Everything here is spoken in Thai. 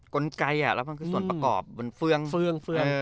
กลไก่อ่ะแล้วก็คือส่วนประกอบเป็นเฟืองเฟืองเฟืองเออ